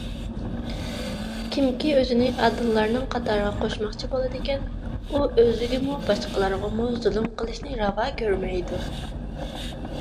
كىمكى ئۆزىنى ئادىللارنىڭ قاتارىغا قوشماقچى بولىدىكەن، ئۇ ئۆزىگىمۇ، باشقىلارغىمۇ زۇلۇم قىلىشنى راۋا كۆرمەيدۇ.